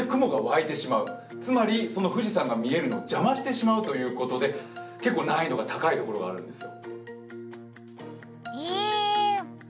そうするとそこで雲が湧いてしまう、つまり、その富士山が見えるのを邪魔してしまうということで結構難易度が高いところがあるんですよ。